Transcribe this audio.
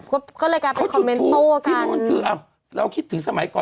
ก็เลยกลายเป็นคอมเมนต์โต้กันที่โน้นคืออ่ะเราคิดถึงสมัยก่อน